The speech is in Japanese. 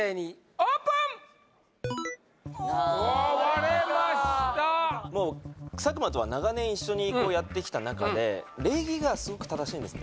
おー割れました佐久間とは長年一緒にやってきた仲で礼儀がスゴく正しいんですね